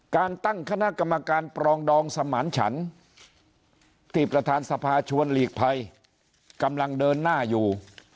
การตั้งคณะกรรมการปรองดองสมานฉันที่ประธานสภาชวนหลีกภัยกำลังเดินหน้าอยู่